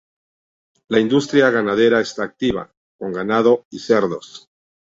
La industria ganadera está activa, con ganado y cerdos